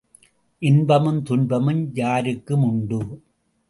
இன்பமும் துன்பமும் யாருக்கும் உண்டு.